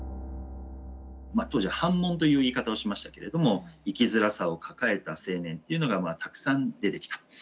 当時は「煩悶」という言い方をしましたけれども生きづらさを抱えた青年っていうのがたくさん出てきた。